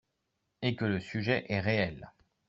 et que le sujet est réel.